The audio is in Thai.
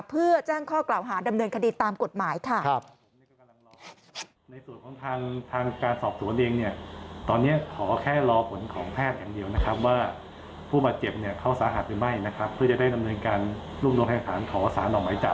เพื่อแจ้งข้อกล่าวหาดำเนินคดีตามกฎหมายค่ะ